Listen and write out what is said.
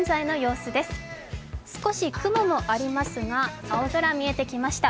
少し雲もありますが、青空が見えてきました。